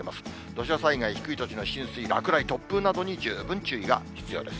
土砂災害、低い土地の浸水、落雷、突風などに十分注意が必要です。